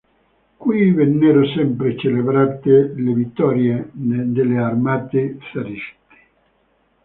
Qui vennero sempre celebrate le vittorie delle armate zariste.